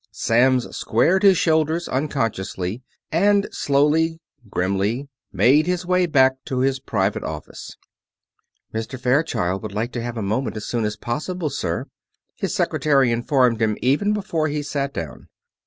Samms squared his shoulders unconsciously; and slowly, grimly, made his way back to his private office. "Mr. Fairchild would like to have a moment as soon as possible, sir," his secretary informed him even before he sat down.